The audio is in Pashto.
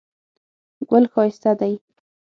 ګل ښایسته دی.